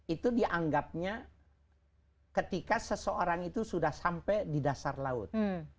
itu dianggapnya ketika seseorang itu sudah sampai di dasar laut